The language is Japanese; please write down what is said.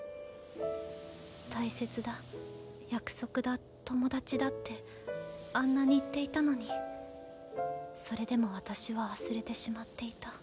大切だ約束だ友達だってあんなに言っていたのにそれでも私は忘れてしまっていた。